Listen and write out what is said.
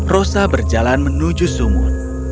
rosa berjalan menuju sumur